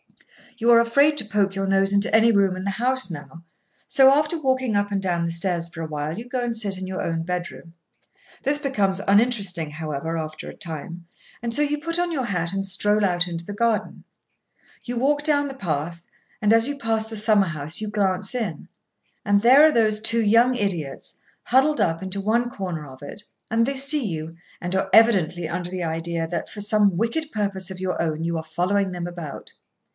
You are afraid to poke your nose into any room in the house now; so, after walking up and down the stairs for a while, you go and sit in your own bedroom. This becomes uninteresting, however, after a time, and so you put on your hat and stroll out into the garden. You walk down the path, and as you pass the summer house you glance in, and there are those two young idiots, huddled up into one corner of it; and they see you, and are evidently under the idea that, for some wicked purpose of your own, you are following them about.